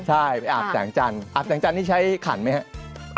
ใช่ไปอาบแสงจันทร์อาบแสงจันทร์นี่ใช้ขันไหมครับ